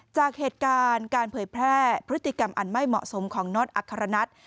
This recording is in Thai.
จากเหตุการณ์การเผยแพร่พฤติกรรมอันไม่เหมาะสมของน็อตอัครนัท